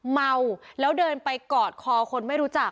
เมาแล้วเดินไปกอดคอคนไม่รู้จัก